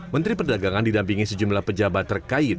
menteri perdagangan didampingi sejumlah pejabat terkait